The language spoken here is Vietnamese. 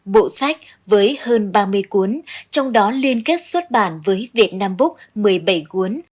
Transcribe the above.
bộ sách với hơn ba mươi cuốn trong đó liên kết xuất bản với việt nam búc một mươi bảy cuốn